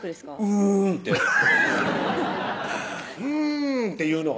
「うん」って「うん」っていうのがね